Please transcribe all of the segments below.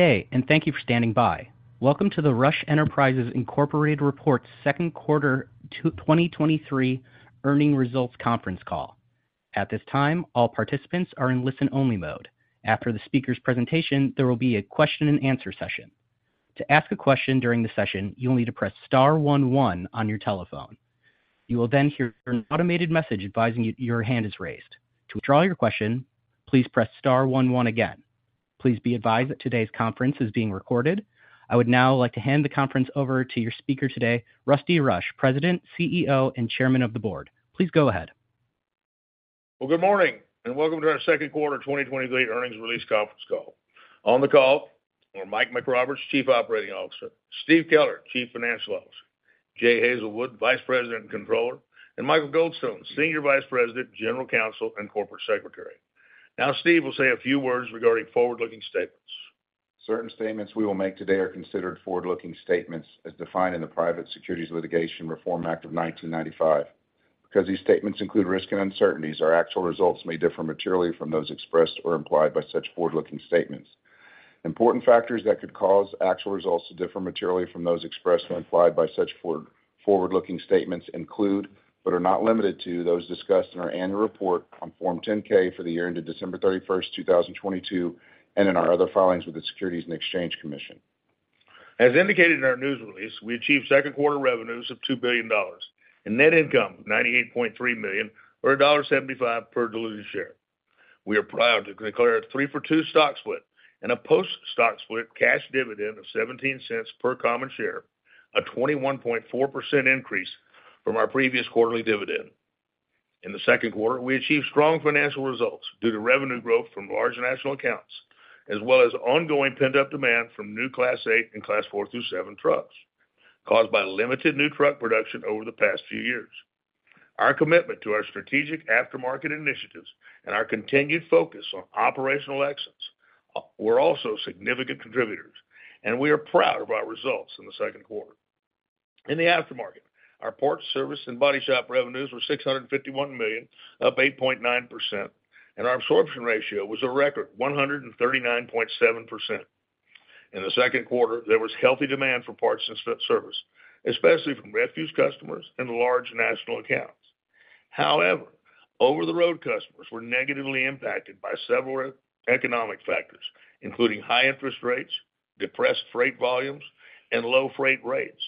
Good day. Thank you for standing by. Welcome to the Rush Enterprises, Inc. Report, Second Quarter to 2023 Earnings Results Conference Call. At this time, all participants are in listen-only mode. After the speaker's presentation, there will be a Q&A session. To ask a question during the session, you will need to press star one one on your telephone. You will hear an automated message advising you that your hand is raised. To withdraw your question, please press star one one again. Please be advised that today's conference is being recorded. I would now like to hand the conference over to your speaker today, Rusty Rush, President, CEO, and Chairman of the Board. Please go ahead. Well, good morning, welcome to our second quarter 2023 earnings release conference call. On the call are Mike McRoberts, Chief Operating Officer, Steve Keller, Chief Financial Officer, Jay Hazelwood, Vice President and Controller, and Michael Goldstone, Senior Vice President, General Counsel, and Corporate Secretary. Now, Steve will say a few words regarding forward-looking statements. Certain statements we will make today are considered forward-looking statements as defined in the Private Securities Litigation Reform Act of 1995. Because these statements include risk and uncertainties, our actual results may differ materially from those expressed or implied by such forward-looking statements. Important factors that could cause actual results to differ materially from those expressed and implied by such forward-looking statements include, but are not limited to, those discussed in our annual report on Form 10-K for the year ended December 31st, 2022, and in our other filings with the Securities and Exchange Commission. As indicated in our news release, we achieved second quarter revenues of $2 billion and net income of $98.3 million, or $1.75 per diluted share. We are proud to declare a 3-for-2 stock split and a post-stock split cash dividend of $0.17 per common share, a 21.4% increase from our previous quarterly dividend. In the second quarter, we achieved strong financial results due to revenue growth from large national accounts, as well as ongoing pent-up demand from new Class 8 and Class 4 through 7 trucks, caused by limited new truck production over the past few years. Our commitment to our strategic aftermarket initiatives and our continued focus on operational excellence were also significant contributors, and we are proud of our results in the second quarter. In the aftermarket, our parts, service, and body shop revenues were $651 million, up 8.9%, and our absorption ratio was a record 139.7%. In the second quarter, there was healthy demand for parts and service, especially from refuse customers and large national accounts. Over-the-road customers were negatively impacted by several economic factors, including high interest rates, depressed freight volumes, and low freight rates.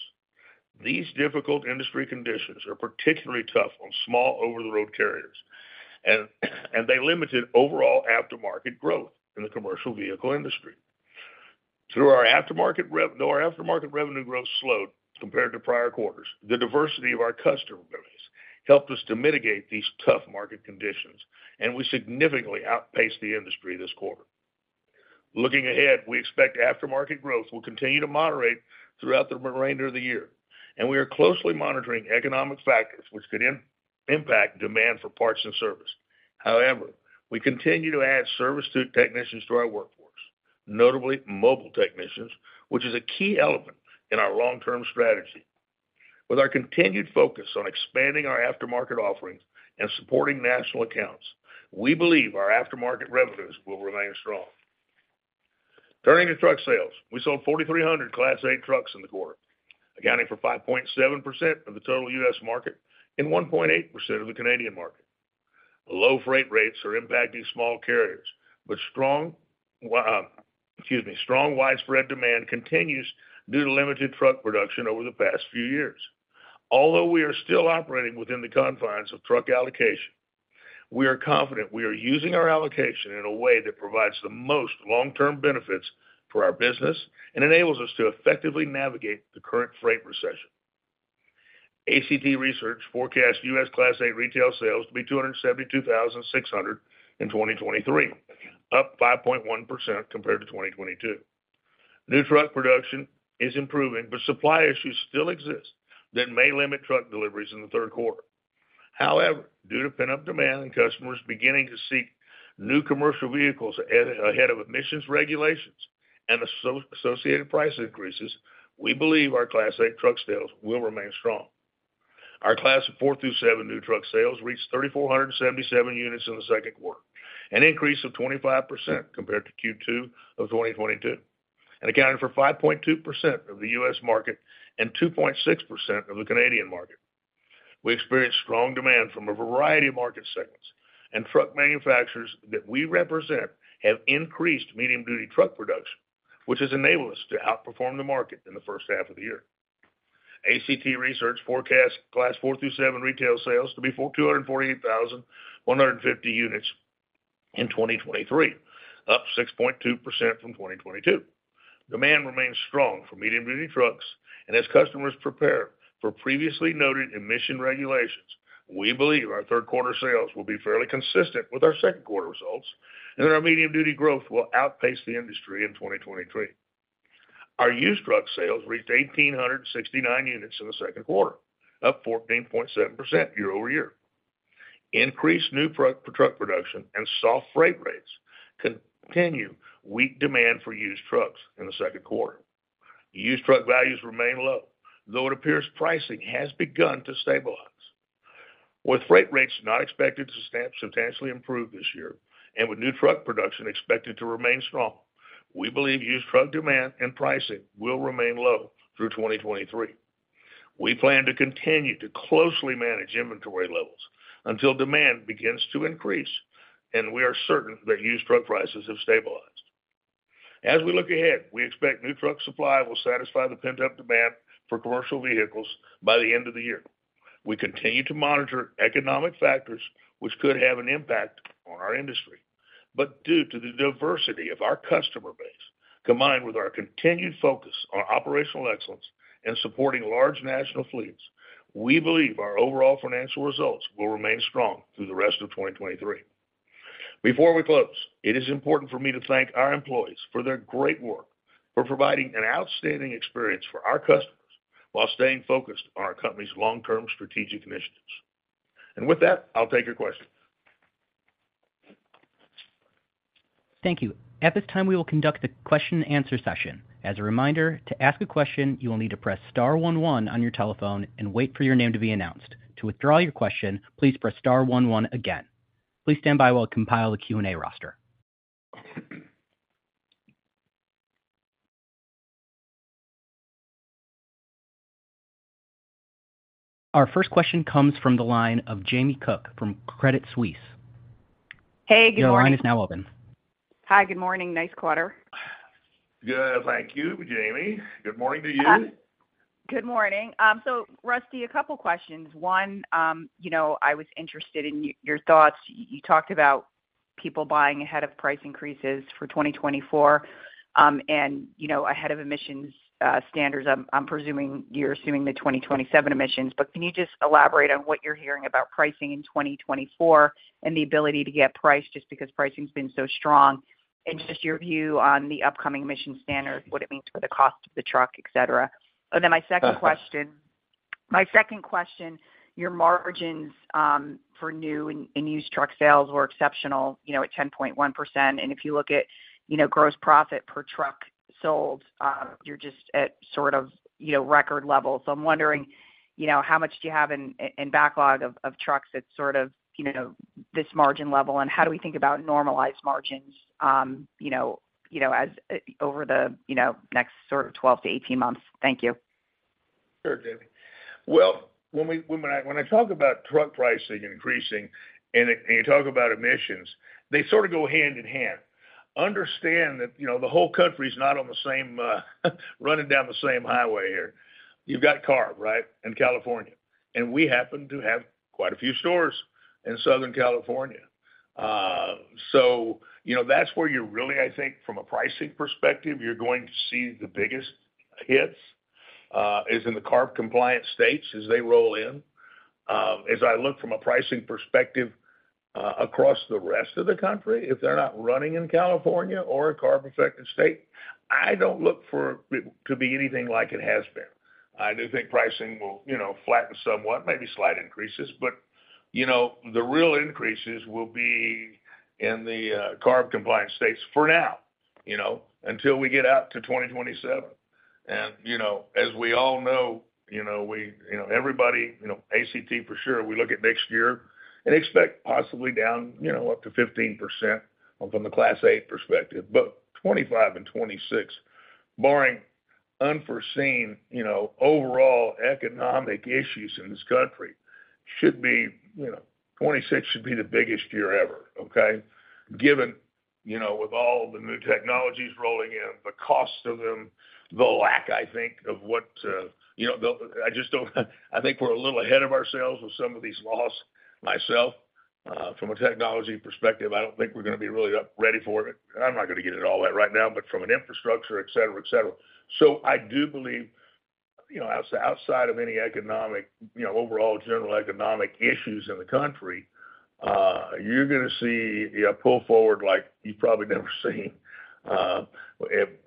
These difficult industry conditions are particularly tough on small over-the-road carriers, and they limited overall aftermarket growth in the commercial vehicle industry. Though our aftermarket revenue growth slowed compared to prior quarters, the diversity of our customer base helped us to mitigate these tough market conditions, and we significantly outpaced the industry this quarter. Looking ahead, we expect aftermarket growth will continue to moderate throughout the remainder of the year, and we are closely monitoring economic factors which could impact demand for parts and service. We continue to add service to technicians to our workforce, notably mobile technicians, which is a key element in our long-term strategy. With our continued focus on expanding our aftermarket offerings and supporting national accounts, we believe our aftermarket revenues will remain strong. Turning to truck sales, we sold 4,300 Class 8 trucks in the quarter, accounting for 5.7% of the total U.S. market and 1.8% of the Canadian market. Low freight rates are impacting small carriers, excuse me, strong, widespread demand continues due to limited truck production over the past few years. Although we are still operating within the confines of truck allocation, we are confident we are using our allocation in a way that provides the most long-term benefits for our business and enables us to effectively navigate the current freight recession. ACT Research forecasts U.S. Class 8 retail sales to be 272,600 in 2023, up 5.1% compared to 2022. New truck production is improving. Supply issues still exist that may limit truck deliveries in the third quarter. However, due to pent-up demand and customers beginning to seek new commercial vehicles ahead of emissions regulations and associated price increases, we believe our Class 8 truck sales will remain strong. Our Class 4 through 7 new truck sales reached 3,477 units in the second quarter, an increase of 25% compared to Q2 of 2022, and accounted for 5.2% of the U.S. market and 2.6% of the Canadian market. We experienced strong demand from a variety of market segments, and truck manufacturers that we represent have increased medium-duty truck production, which has enabled us to outperform the market in the first half of the year. ACT Research forecasts Class 4 through 7 retail sales to be 248,150 units in 2023, up 6.2% from 2022. Demand remains strong for medium-duty trucks. As customers prepare for previously noted emission regulations, we believe our third quarter sales will be fairly consistent with our second quarter results, and our medium-duty growth will outpace the industry in 2023. Our used truck sales reached 1,869 units in the second quarter, up 14.7% year-over-year. Increased new truck production and soft freight rates continue weak demand for used trucks in the second quarter. Used truck values remain low, though it appears pricing has begun to stabilize. With freight rates not expected to substantially improve this year and with new truck production expected to remain strong, we believe used truck demand and pricing will remain low through 2023. We plan to continue to closely manage inventory levels until demand begins to increase, and we are certain that used truck prices have stabilized. As we look ahead, we expect new truck supply will satisfy the pent-up demand for commercial vehicles by the end of the year. We continue to monitor economic factors, which could have an impact on our industry. Due to the diversity of our customer base, combined with our continued focus on operational excellence and supporting large national fleets, we believe our overall financial results will remain strong through the rest of 2023. Before we close, it is important for me to thank our employees for their great work, for providing an outstanding experience for our customers while staying focused on our company's long-term strategic initiatives. With that, I'll take your questions. Thank you. At this time, we will conduct the question and answer session. As a reminder, to ask a question, you will need to press star one one on your telephone and wait for your name to be announced. To withdraw your question, please press star one one again. Please stand by while I compile the Q&A roster. Our first question comes from the line of Jamie Cook from Credit Suisse. Hey, good morning. Your line is now open. Hi, good morning. Nice quarter. Good. Thank you, Jamie. Good morning to you. Good morning. Rusty, a couple of questions. One, you know, I was interested in your thoughts. You talked about people buying ahead of price increases for 2024, and, you know, ahead of emissions standards. I'm presuming you're assuming the 2027 emissions, can you just elaborate on what you're hearing about pricing in 2024 and the ability to get price just because pricing has been so strong, and just your view on the upcoming emission standards, what it means for the cost of the truck, et cetera? My second question, your margins for new and used truck sales were exceptional, you know, at 10.1%. If you look at, you know, gross profit per truck sold, you're just at sort of, you know, record levels. I'm wondering, you know, how much do you have in backlog of trucks that's sort of, you know, this margin level, and how do we think about normalized margins, you know, as over the, you know, next sort of 12 to 18 months? Thank you. Sure, Jamie. When I talk about truck pricing increasing and you talk about emissions, they sort of go hand in hand. Understand that, you know, the whole country is not on the same running down the same highway here. You've got CARB, right, in California, and we happen to have quite a few stores in Southern California. You know, that's where you really, I think from a pricing perspective, you're going to see the biggest hits is in the CARB compliance states as they roll in. As I look from a pricing perspective, across the rest of the country, if they're not running in California or a CARB-affected state, I don't look for it to be anything like it has been. I do think pricing will, you know, flatten somewhat, maybe slight increases, but, you know, the real increases will be in the CARB compliance states for now, you know, until we get out to 2027. you know, as we all know, you know, we, you know, everybody, you know, ACT for sure, we look at next year and expect possibly down, you know, up to 15% from the Class 8 perspective. 2025 and 2026, barring unforeseen, you know, overall economic issues in this country, should be, you know, 2026 should be the biggest year ever, okay? Given, you know, with all the new technologies rolling in, the cost of them, the lack, I think, of what, you know, the. I just don't, I think we're a little ahead of ourselves with some of these laws myself, from a technology perspective, I don't think we're going to be really up ready for it. I'm not going to get it all out right now, but from an infrastructure, et cetera, et cetera. I do believe, you know, outside of any economic, you know, overall general economic issues in the country, you're gonna see a pull forward like you've probably never seen,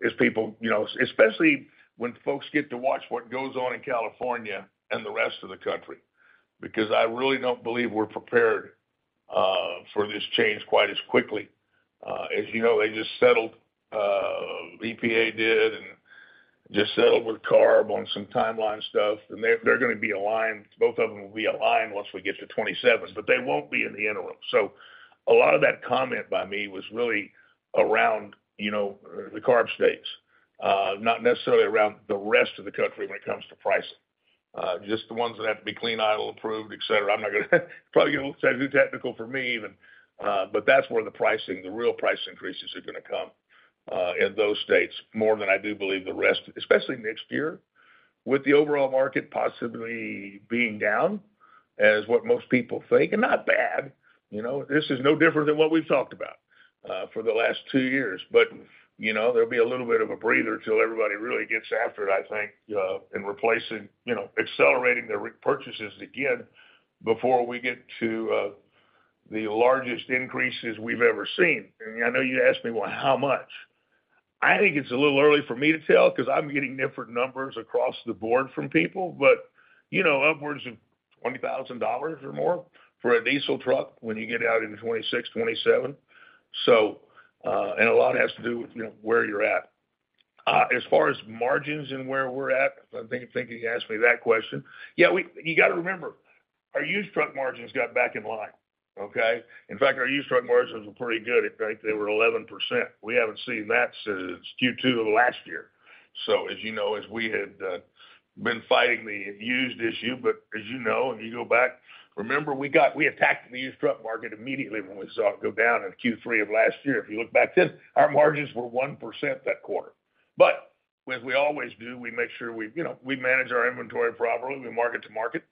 as people, you know, especially when folks get to watch what goes on in California and the rest of the country, because I really don't believe we're prepared for this change quite as quickly. As you know, they just settled, EPA did, and just settled with CARB on some timeline stuff, and they're going to be aligned. Both of them will be aligned once we get to 2027, but they won't be in the interim. A lot of that comment by me was really around, you know, the CARB states, not necessarily around the rest of the country when it comes to pricing. Just the ones that have to be Clean Idle approved, et cetera. I'm not gonna, probably too technical for me even, but that's where the pricing, the real price increases are going to come, in those states, more than I do believe the rest, especially next year, with the overall market possibly being down as what most people think, and not bad. You know, this is no different than what we've talked about, for the last two years, but, you know, there'll be a little bit of a breather till everybody really gets after it, I think, and replacing, you know, accelerating their repurchases again before we get to, the largest increases we've ever seen. I know you asked me, Well, how much? I think it's a little early for me to tell because I'm getting different numbers across the board from people, but, you know, upwards of $20,000 or more for a diesel truck when you get out in 2026, 2027. A lot has to do with, you know, where you're at. As far as margins and where we're at, I think you asked me that question. Yeah, you got to remember, our used truck margins got back in line, okay? In fact, our used truck margins were pretty good. In fact, they were 11%. We haven't seen that since Q2 of last year. As you know, as we had been fighting the used issue, but as you know, and you go back, remember, we attacked the used truck market immediately when we saw it go down in Q3 of last year. If you look back then, our margins were 1% that quarter. As we always do, we make sure we, you know, we manage our inventory properly. We market to market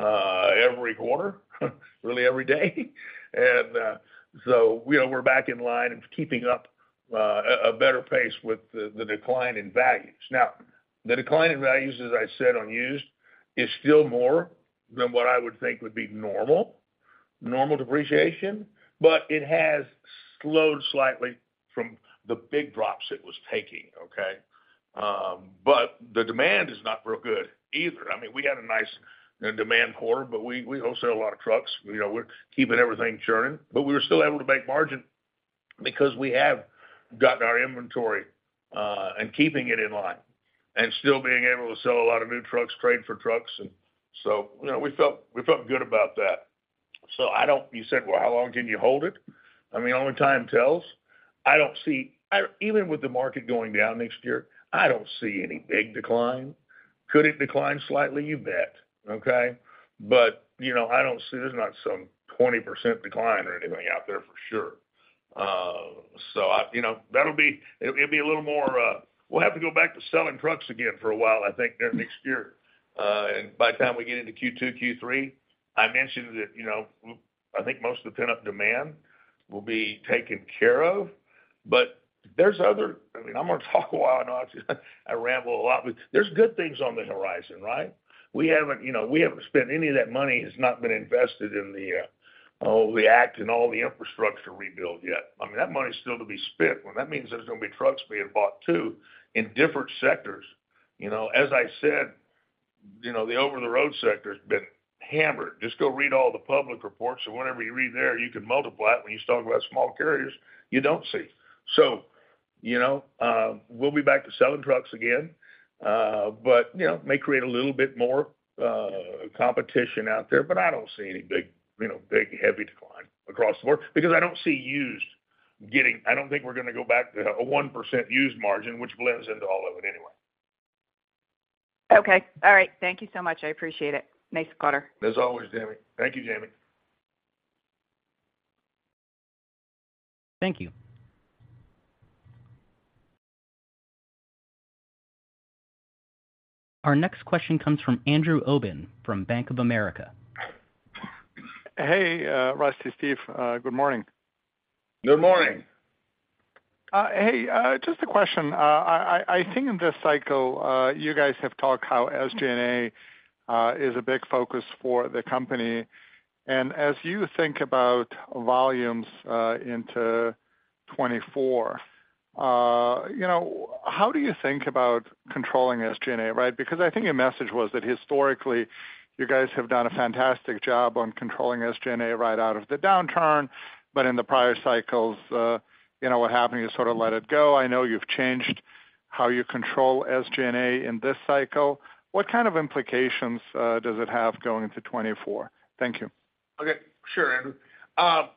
every quarter, really every day. You know, we're back in line and keeping up a better pace with the decline in values. The decline in values, as I said, on used, is still more than what I would think would be normal depreciation, but it has slowed slightly from the big drops it was taking, okay. The demand is not real good either. I mean, we had a nice demand quarter, but we also sell a lot of trucks. You know, we're keeping everything churning, but we were still able to make margin because we have gotten our inventory and keeping it in line, and still being able to sell a lot of new trucks, trade for trucks. You know, we felt good about that. I don't... You said, "Well, how long can you hold it?" I mean, only time tells. I don't see, even with the market going down next year, I don't see any big decline. Could it decline slightly? You bet, okay? You know, I don't see, there's not some 20% decline or anything out there for sure. I, you know, that'll be, it'll be a little more, we'll have to go back to selling trucks again for a while, I think, during next year. By the time we get into Q2, Q3, I mentioned that, you know, I think most of the pent-up demand will be taken care of. I mean, I'm going to talk a while, I ramble a lot, but there's good things on the horizon, right? We haven't, you know, we haven't spent any of that money. It's not been invested in the ACT and all the infrastructure rebuild yet. I mean, that money is still to be spent, well, that means there's going to be trucks being bought, too, in different sectors. You know, as I said, you know, the over-the-road sector has been hammered. Just go read all the public reports, and whatever you read there, you can multiply it when you start talking about small carriers you don't see. You know, we'll be back to selling trucks again, but, you know, may create a little bit more, competition out there, but I don't see any big, heavy decline across the board, because I don't see used getting. I don't think we're going to go back to a 1% used margin, which blends into all of it anyway. Okay. All right. Thank you so much. I appreciate it. Nice quarter. As always, Jamie. Thank you, Jamie. Thank you. Our next question comes from Andrew Obin, from Bank of America. Hey, Rusty, Steve, good morning. Good morning. Hey, just a question. I think in this cycle, you guys have talked how SG&A is a big focus for the company. As you think about volumes into 2024, you know, how do you think about controlling SG&A, right? I think your message was that historically, you guys have done a fantastic job on controlling SG&A right out of the downturn, but in the prior cycles, you know, what happened, you sort of let it go. I know you've changed how you control SG&A in this cycle. What kind of implications does it have going into 2024? Thank you. Okay. Sure, Andrew Obin.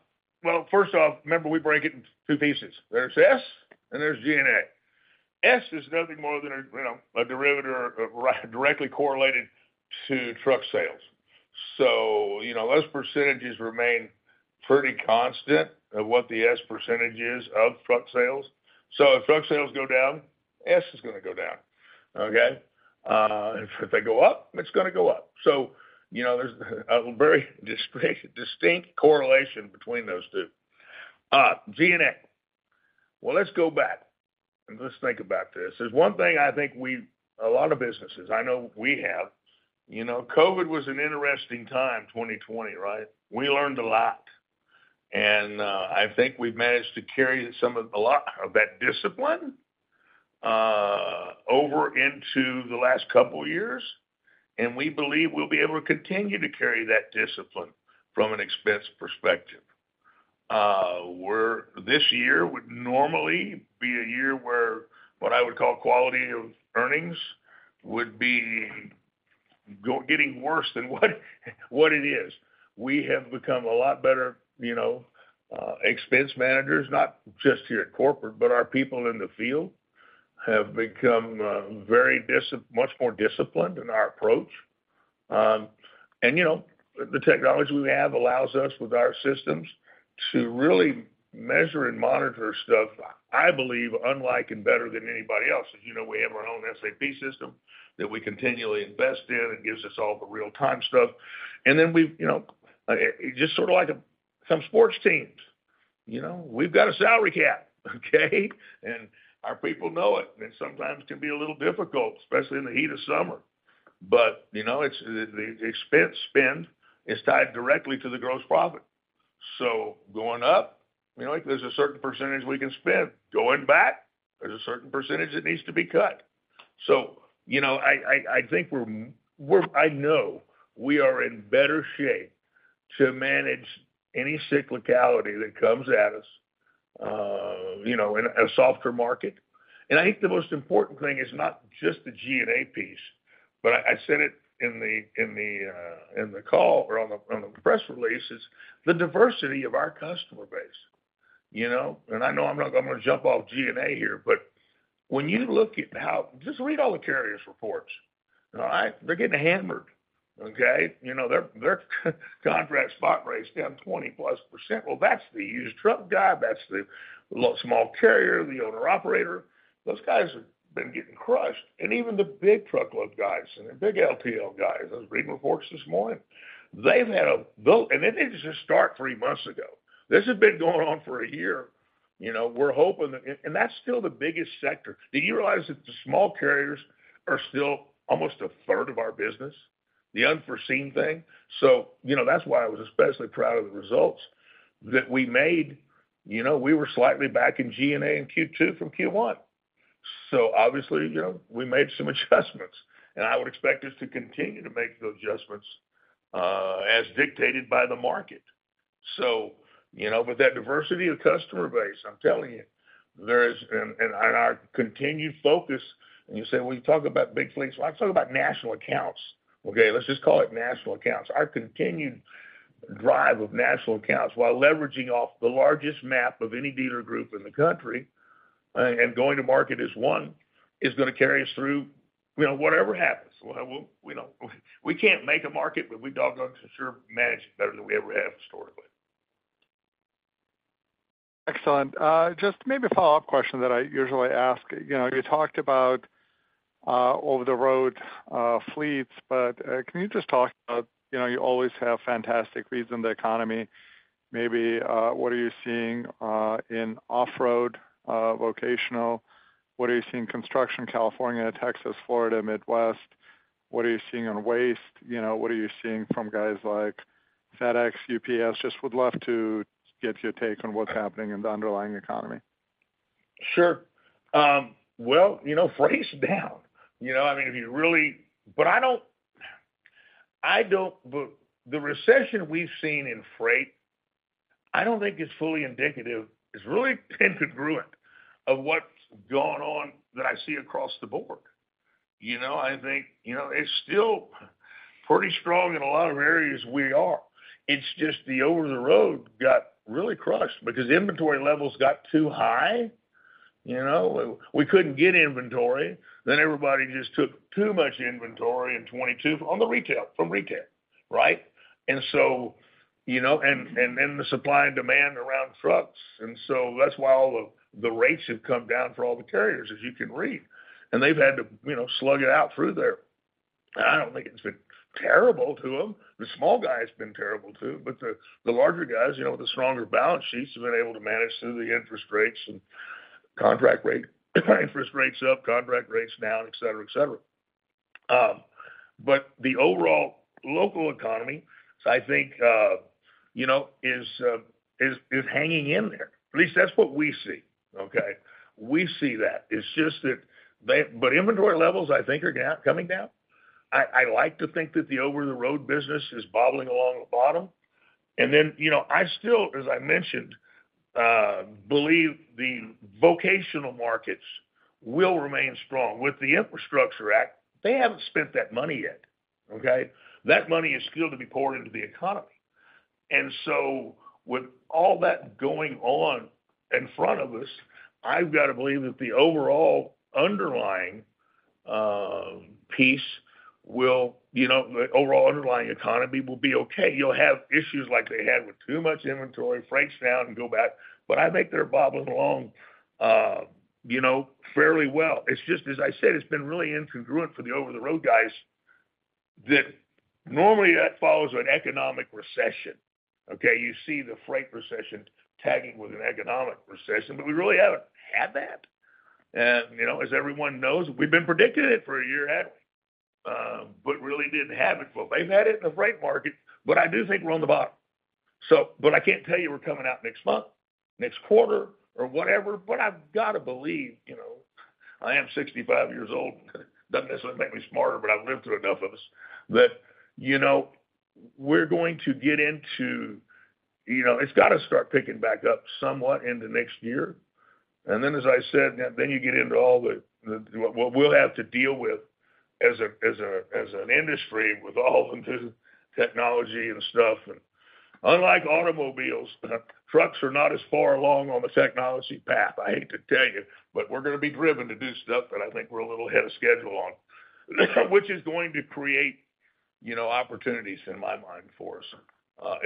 Well, first off, remember, we break it in two pieces. There's S and there's G&A. S is nothing more than a, you know, a derivative, directly correlated to truck sales. You know, those percentages remain pretty constant of what the S percentage is of truck sales. If truck sales go down, S is going to go down, okay? If they go up, it's going to go up. You know, there's a very distinct correlation between those two. G&A. Well, let's go back and let's think about this. There's one thing I think we've. A lot of businesses, I know we have, you know, COVID was an interesting time, 2020, right? We learned a lot. I think we've managed to carry some of a lot of that discipline over into the last couple of years. We believe we'll be able to continue to carry that discipline from an expense perspective. This year would normally be a year where what I would call quality of earnings would be getting worse than what it is. We have become a lot better, you know, expense managers, not just here at corporate, but our people in the field have become much more disciplined in our approach. You know, the technology we have allows us with our systems to really measure and monitor stuff, I believe, unlike and better than anybody else. As you know, we have our own SAP system that we continually invest in and gives us all the real-time stuff. Then we've, you know, just sort of like some sports teams, you know, we've got a salary cap, okay. Our people know it, and sometimes it can be a little difficult, especially in the heat of summer. You know, it's, the expense spend is tied directly to the gross profit. Going up, you know, there's a certain percentage we can spend. Going back, there's a certain percentage that needs to be cut.... You know, I think I know we are in better shape to manage any cyclicality that comes at us, you know, in a softer market. I think the most important thing is not just the G&A piece, but I said it in the, in the call or on the, on the press release, is the diversity of our customer base. You know, I know I'm gonna jump off G&A here, but when you look at how. Just read all the carriers' reports, all right? They're getting hammered, okay? You know, their contract spot rates down 20+%. Well, that's the used truck guy, that's the small carrier, the owner-operator. Those guys have been getting crushed. Even the big truckload guys and the big LTL guys, I was reading reports this morning, they've had a and it didn't just start three months ago. This has been going on for a year, you know. We're hoping that. That's still the biggest sector. Do you realize that the small carriers are still almost a third of our business? The unforeseen thing. You know, that's why I was especially proud of the results that we made. You know, we were slightly back in G&A in Q2 from Q1. Obviously, you know, we made some adjustments, and I would expect us to continue to make those adjustments as dictated by the market. You know, but that diversity of customer base, I'm telling you, there is. And our continued focus, and you say, when you talk about big fleets, well, I talk about national accounts. Okay, let's just call it national accounts. Our continued drive of national accounts while leveraging off the largest map of any dealer group in the country, and going to market as one, is gonna carry us through, you know, whatever happens. We, you know, we can't make a market, but we doggone sure manage it better than we ever have historically. Excellent. Just maybe a follow-up question that I usually ask. You know, you talked about over-the-road fleets, but can you just talk about, you know, you always have fantastic reads in the economy. Maybe, what are you seeing in off-road vocational? What are you seeing in construction, California, Texas, Florida, Midwest? What are you seeing on waste? You know, what are you seeing from guys like FedEx, UPS? Just would love to get your take on what's happening in the underlying economy. Sure. well, you know, freight's down. You know, I mean, the recession we've seen in freight, I don't think it's fully indicative. It's really incongruent of what's going on that I see across the board. You know, I think, you know, it's still pretty strong in a lot of areas we are. It's just the over-the-road got really crushed because inventory levels got too high. You know, we couldn't get inventory, then everybody just took too much inventory in 2022 on the retail, from retail, right? You know, and then the supply and demand around trucks, and so that's why all the rates have come down for all the carriers, as you can read. They've had to, you know, slug it out through there. I don't think it's been terrible to them. The small guy, it's been terrible to, but the larger guys, you know, with the stronger balance sheets, have been able to manage through the interest rates and contract rate, interest rates up, contract rates down, et cetera, et cetera. But the overall local economy, I think, you know, is hanging in there. At least that's what we see, okay? We see that. Inventory levels, I think, are down, coming down. I like to think that the over-the-road business is bobbling along the bottom. You know, I still, as I mentioned, believe the vocational markets will remain strong. With the Infrastructure ACT, they haven't spent that money yet, okay? That money is still to be poured into the economy. With all that going on in front of us, I've got to believe that the overall underlying piece will, you know, the overall underlying economy will be okay. You'll have issues like they had with too much inventory, freight's down and go back, but I think they're bobbling along, you know, fairly well. It's just, as I said, it's been really incongruent for the over-the-road guys, that normally that follows an economic recession, okay? You see the freight recession tagging with an economic recession, but we really haven't had that. You know, as everyone knows, we've been predicting it for a year, haven't we? Really didn't have it. Well, they've had it in the freight market, but I do think we're on the bottom. I can't tell you we're coming out next month, next quarter, or whatever, but I've got to believe, you know, I am 65 years old. Doesn't necessarily make me smarter, but I've lived through enough of this, that, you know, we're going to get into... You know, it's got to start picking back up somewhat in the next year. As I said, then you get into all the, what we'll have to deal with as a, as a, as an industry with all the new technology and stuff. Unlike automobiles, trucks are not as far along on the technology path, I hate to tell you, but we're gonna be driven to do stuff that I think we're a little ahead of schedule on, which is going to create, you know, opportunities in my mind for us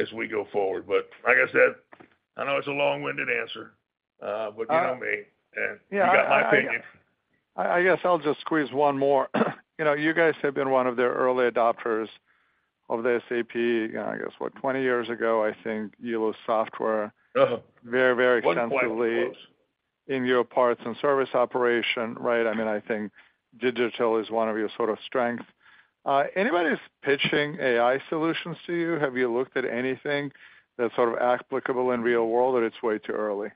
as we go forward. Like I said, I know it's a long-winded answer, but you know me. Uh-... and you got my opinion. I guess I'll just squeeze one more. You know, you guys have been one of the early adopters of the SAP, I guess, what, 20 years ago, I think, ERP software. Uh-huh... very, very extensively- Was quite close.... in your parts and service operation, right? I mean, I think digital is one of your sort of strengths. Anybody's pitching AI solutions to you? Have you looked at anything that's sort of applicable in real world, or it's way too early?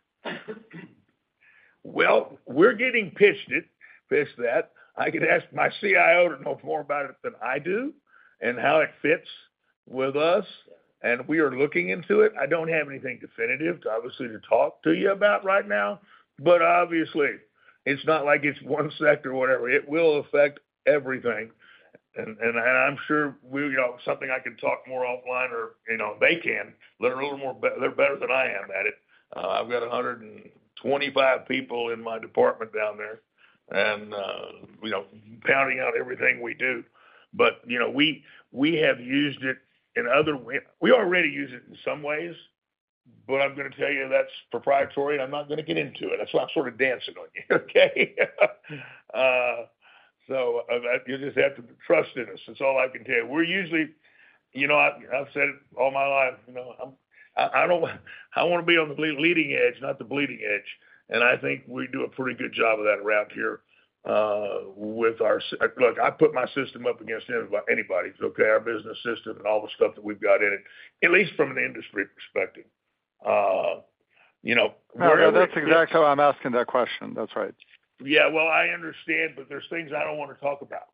Well, we're getting pitched it, pitched that. I could ask my CIO to know more about it than I do and how it fits with us. We are looking into it. I don't have anything definitive, obviously, to talk to you about right now. Obviously, it's not like it's one sec or whatever. It will affect everything. I'm sure we, you know, something I can talk more offline or, you know, they can. They're a little more they're better than I am at it. I've got 125 people in my department down there. You know, pounding out everything we do. You know, we have used it in We already use it in some ways. I'm gonna tell you, that's proprietary, and I'm not gonna get into it. That's why I'm sort of dancing on you, okay? You'll just have to trust in us. That's all I can tell you. We're usually, you know, I've said it all my life, you know, I'm, I wanna be on the leading edge, not the bleeding edge, and I think we do a pretty good job of that around here, with our Look, I put my system up against anybody's, okay? Our business system and all the stuff that we've got in it, at least from an industry perspective. You know. No, that's exactly why I'm asking that question. That's right. Yeah, well, I understand. There's things I don't want to talk about,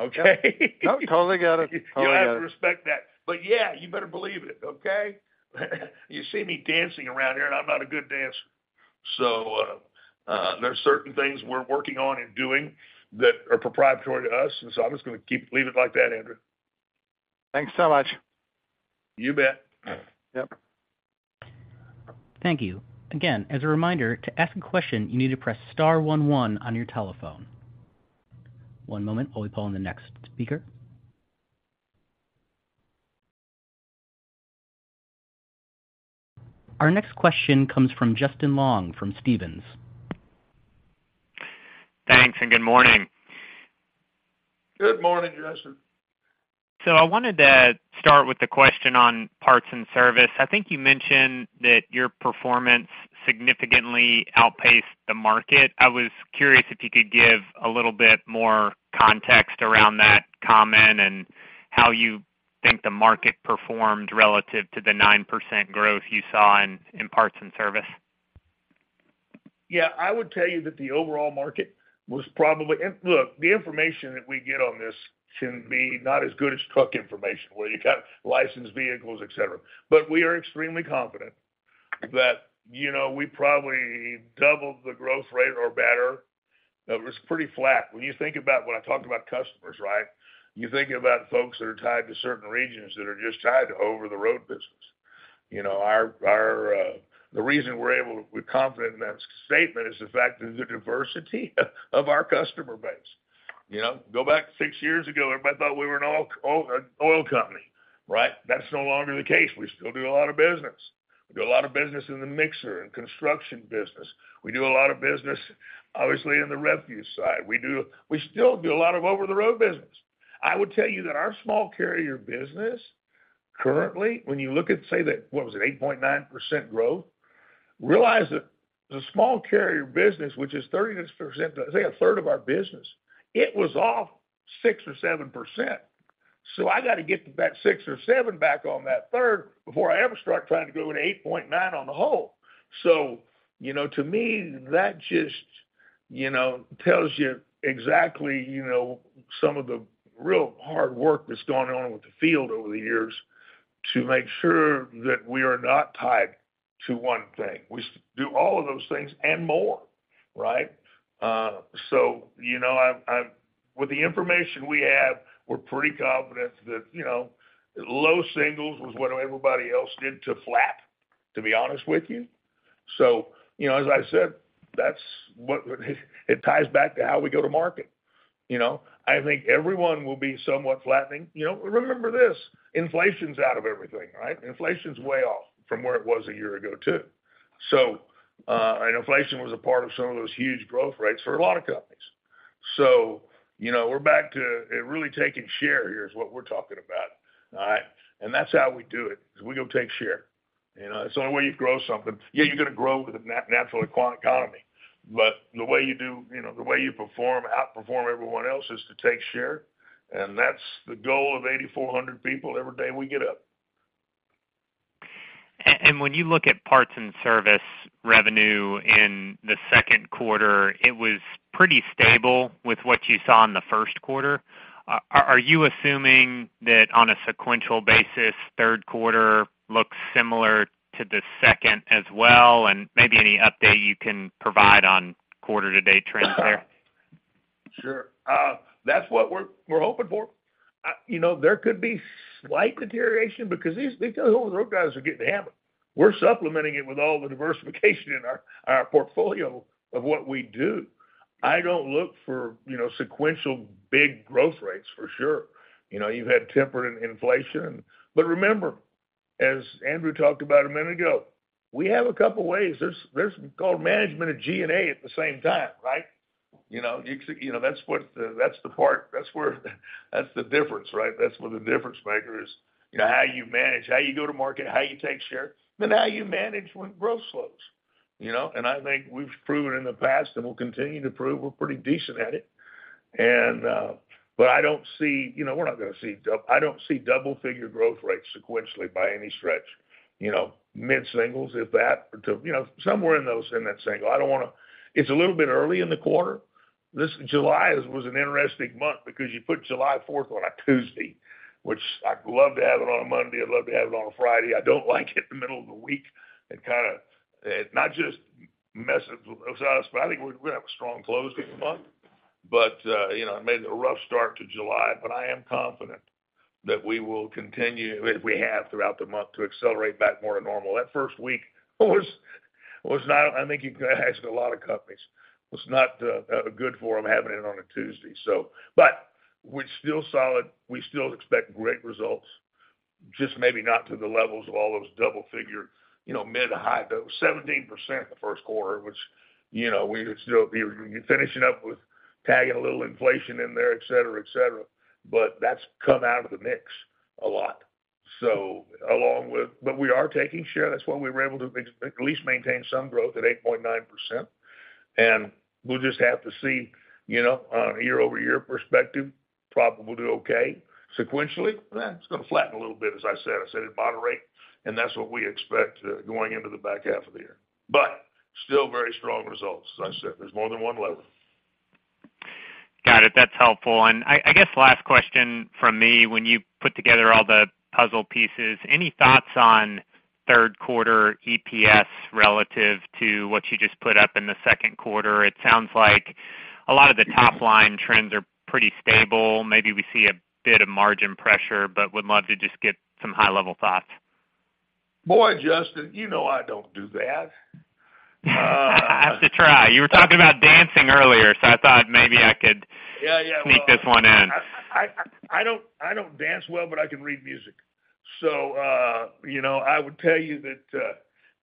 okay? Nope, totally get it. Totally get it. You have to respect that. Yeah, you better believe it, okay? You see me dancing around here, and I'm not a good dancer. There are certain things we're working on and doing that are proprietary to us, and so I'm just gonna leave it like that, Andrew. Thanks so much. You bet. Yep. Thank you. As a reminder, to ask a question, you need to press star one one on your telephone. One moment while we pull in the next speaker. Our next question comes from Justin Long, from Stephens. Thanks, and good morning. Good morning, Justin. I wanted to start with a question on parts and service. I think you mentioned that your performance significantly outpaced the market. I was curious if you could give a little bit more context around that comment and how you think the market performed relative to the 9% growth you saw in parts and service. I would tell you that the overall market was probably. Look, the information that we get on this can be not as good as truck information, where you got licensed vehicles, et cetera. We are extremely confident that, you know, we probably doubled the growth rate or better. It was pretty flat. When you think about when I talked about customers, right? You think about folks that are tied to certain regions, that are just tied to over-the-road business. You know, our, the reason we're able, we're confident in that statement is the fact that the diversity of our customer base. You know, go back six years ago, everybody thought we were an oil company, right? That's no longer the case. We still do a lot of business. We do a lot of business in the mixer and construction business. We do a lot of business, obviously, in the refuse side. We still do a lot of over-the-road business. I would tell you that our small carrier business, currently, when you look at, say, that, what was it, 8.9% growth, realize that the small carrier business, which is 30%, I think 1/3 of our business, it was off 6% or 7%. I got to get back 6% or 7% back on that third before I ever start trying to go to 8.9% on the whole. You know, to me, that just, you know, tells you exactly, you know, some of the real hard work that's gone on with the field over the years to make sure that we are not tied to one thing. We do all of those things and more, right? You know, with the information we have, we're pretty confident that, you know, low singles was what everybody else did to flat, to be honest with you. You know, as I said, that's what, it ties back to how we go to market, you know? I think everyone will be somewhat flattening. You know, remember this, inflation's out of everything, right? Inflation's way off from where it was a year ago, too. And inflation was a part of some of those huge growth rates for a lot of companies. You know, we're back to really taking share here, is what we're talking about, all right? That's how we do it, is we go take share. You know, it's the only way you grow something. Yeah, you're gonna grow with a natural economy, but the way you do, you know, the way you perform, outperform everyone else, is to take share, and that's the goal of 8,400 people every day we get up. When you look at parts and service revenue in the second quarter, it was pretty stable with what you saw in the first quarter. Are you assuming that on a sequential basis, third quarter looks similar to the second as well, and maybe any update you can provide on quarter-to-date trends there? Sure. That's what we're hoping for. You know, there could be slight deterioration because these over-the-road guys are getting hammered. We're supplementing it with all the diversification in our portfolio of what we do. I don't look for, you know, sequential big growth rates, for sure. You know, you've had temperate inflation. Remember, as Andrew talked about a minute ago, we have a couple of ways. There's, there's called management of G&A at the same time, right? You know, you know, that's what the, that's the part, that's where, that's the difference, right? That's where the difference maker is, you know, how you manage, how you go to market, how you take share, but how you manage when growth slows. You know, I think we've proven in the past, and we'll continue to prove we're pretty decent at it. I don't see, you know, we're not gonna see double-figure growth rates sequentially by any stretch, you know, mid-singles, if that, to, you know, somewhere in those, in that single. I don't wanna. It's a little bit early in the quarter. This July was an interesting month because you put July 4th on a Tuesday, which I'd love to have it on a Monday, I'd love to have it on a Friday. I don't like it in the middle of the week. It kinda not just messes with us, but I think we're gonna have a strong close to the month. You know, it made it a rough start to July, but I am confident that we will continue, if we have throughout the month, to accelerate back more to normal. That first week was not, I think you can ask a lot of companies, was not good for them, having it on a Tuesday, so. We're still solid. We still expect great results, just maybe not to the levels of all those double-figure, you know, mid to high, though 17% the first quarter, which, you know, we're still finishing up with tagging a little inflation in there, et cetera, et cetera. That's come out of the mix a lot. Along with... We are taking share. That's why we were able to at least maintain some growth at 8.9%. We'll just have to see, you know, on a year-over-year perspective, probably we'll do okay. Sequentially, it's gonna flatten a little bit, as I said. I said it'd moderate. That's what we expect going into the back half of the year. Still very strong results. As I said, there's more than one level. Got it. That's helpful. I guess last question from me, when you put together all the puzzle pieces, any thoughts on third quarter EPS relative to what you just put up in the second quarter? It sounds like a lot of the top line trends are pretty stable. Maybe we see a bit of margin pressure, would love to just get some high-level thoughts. Boy, Justin, you know I don't do that. I have to try. You were talking about dancing earlier, so I thought maybe I could-. Yeah, yeah. sneak this one in. I don't dance well, but I can read music. You know, I would tell you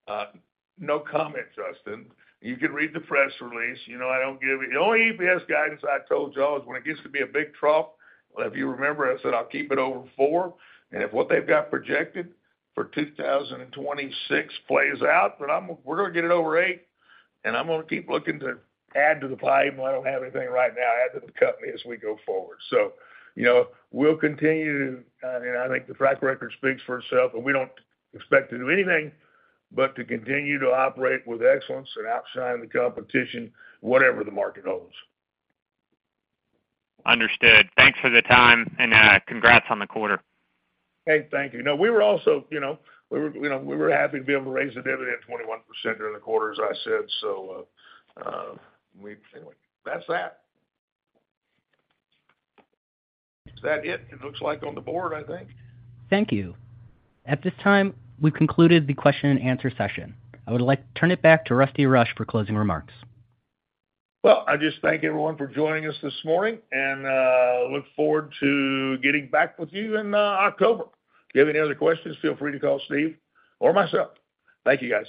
that, no comment, Justin. You can read the press release. You know, the only EPS guidance I told y'all is when it gets to be a big trough, if you remember, I said, "I'll keep it over four." If what they've got projected for 2026 plays out, we're gonna get it over 8, and I'm gonna keep looking to add to the pie, even though I don't have anything right now, add to the company as we go forward. You know, we'll continue to, I think the track record speaks for itself, we don't expect to do anything but to continue to operate with excellence and outshine the competition, whatever the market holds. Understood. Thanks for the time, and, congrats on the quarter. Hey, thank you. No, we were also, you know, we were happy to be able to raise the dividend 21% during the quarter, as I said. Anyway, that's that. Is that it? It looks like on the board, I think. Thank you. At this time, we've concluded the question and answer session. I would like to turn it back to Rusty Rush for closing remarks. I just thank everyone for joining us this morning, and look forward to getting back with you in October. If you have any other questions, feel free to call Steve or myself. Thank you, guys.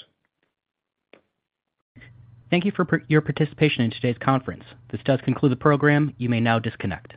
Thank you for your participation in today's conference. This does conclude the program. You may now disconnect.